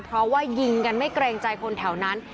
เพราะว่ายิงกันไม่เกรงใจคนแถวนั้น